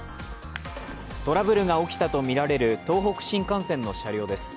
トラブルが起きたとみられる東北新幹線の車両です。